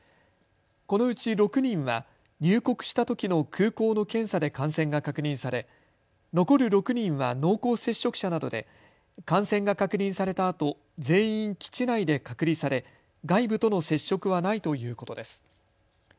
このうち６人は入国したときの空港の検査で感染が確認され残る６人は濃厚接触者などで感染が確認されたあと全員、基地内で隔離され、外部との接触はないということです。